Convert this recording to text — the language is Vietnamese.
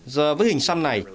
giờ với hình xăm này